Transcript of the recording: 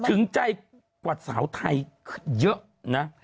ถึงใจกว่าสาวไทยเยอะนะ